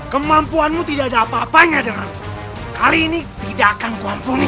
kemampuanmu tidak ada apa apanya dengan kali ini tidak akan kuampuni